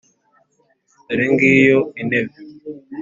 “Dore ngiyo intebe!”